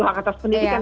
hak atas pendidikan